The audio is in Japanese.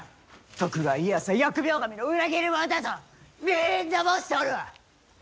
徳川家康は疫病神の裏切り者だとみんな申しておるわ！